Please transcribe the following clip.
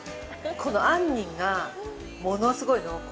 この杏仁がものすごい濃厚。